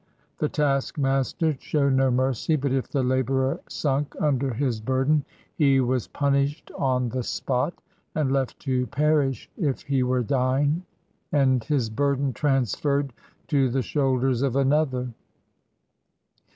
The taskmasters showed no mercy; but if the laborer sunk under his burden, he was punished on the spot, and left to perish, if he were dying, and his burden transferred to the shoulders of another.